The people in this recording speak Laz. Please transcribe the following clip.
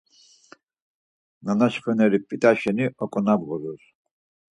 Nanaş xveneri p̌it̆a şeni ok̆onabğurur.